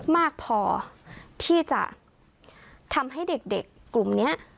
มากพอที่จะทำให้เด็กกลุ่มนี้